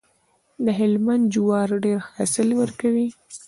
د هلمند جوار ډیر حاصل ورکوي.